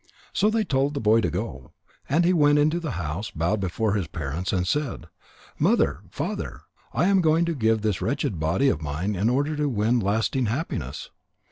So they told the boy to go. And he went into the house, bowed before his parents, and said: "Mother! Father! I am going to give this wretched body of mine in order to win lasting happiness.